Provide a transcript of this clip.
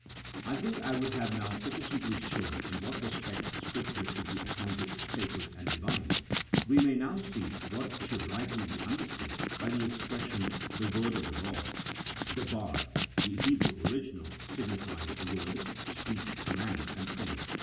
I think I have now sufficiently shown in what respect Scripture should be accounted sacred and Divine ; we may now see what should rightly be understood by the ex pression, the Word of the Lord; debar (the Hebrew original) signifies word, speech, command, and thing.